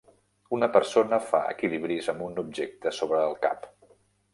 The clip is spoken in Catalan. Una persona fa equilibris amb un objecte sobre el cap.